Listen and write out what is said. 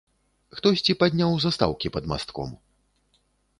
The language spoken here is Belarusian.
Хтосьці падняў застаўкі пад мастком.